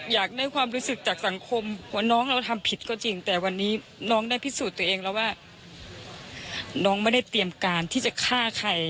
อยากได้ความรู้สึกจากสังคมว่าน้องเราทำผิดก็จริงแต่วันนี้น้องได้พิสูจน์ตัวเองแล้วว่าน้องไม่ได้เตรียมการที่จะฆ่าใคร